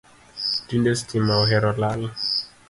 Tinde stima ohero lal